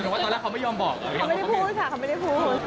ว่าตอนนี้เค้าไม่ยอมบอกล่ะหรือเปล่าไม่ได้พูดค่ะเค้าไม่ได้พูด